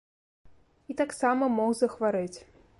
І таксама мог захварэць.